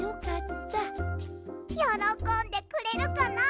よろこんでくれるかな？